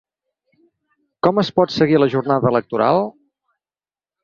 Com es pot seguir la jornada electoral?